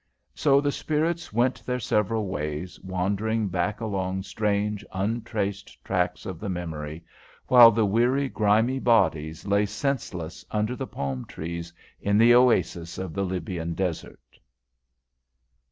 So the spirits went their several ways, wandering back along strange, untraced tracks of the memory, while the weary, grimy bodies lay senseless under the palm trees in the Oasis of the Libyan Desert.